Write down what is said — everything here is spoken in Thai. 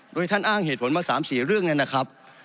โดยท่านอ้างเหตุผลมา๓๔เรื่องนั้นนะครับ